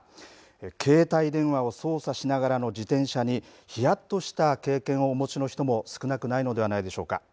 携帯電話を操作しながらの自転車にひやっとした経験をお持ちの人も少なくないのではないでしょうか。